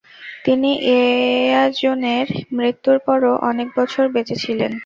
তিনি এয়াজেনের মৃত্যুর পরও অনেক বছর বেঁচেছিলেন।